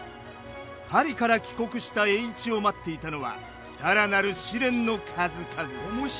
パリから帰国した栄一を待っていたのは更なる試練の数々。